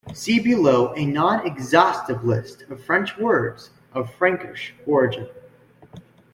See below a non-exhaustive list of French words of Frankish origin.